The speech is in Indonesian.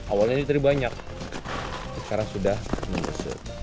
awalnya ini tadi banyak sekarang sudah menyusut